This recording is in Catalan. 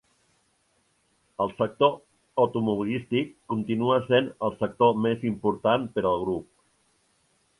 El sector automobilístic continua sent el sector més important per al grup.